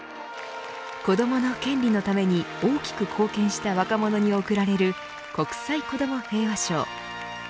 子どもの権利のために大きく貢献した若者に贈られる国際子ども平和賞。